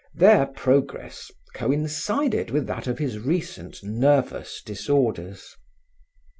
Their progress coincided with that of his recent nervous disorders.